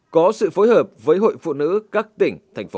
có sự phối hợp với hội phụ nữ các tỉnh thành phố